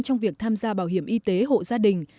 trong việc tham gia bảo hiểm y tế hộ gia đình